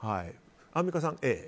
アンミカさん、Ａ。